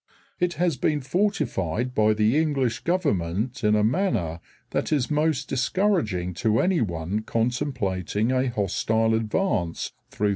It has been fortified by the English government in a manner that is most discouraging to anyone contemplating a hostile advance through the straits.